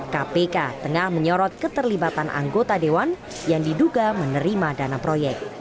kpk tengah menyorot keterlibatan anggota dewan yang diduga menerima dana proyek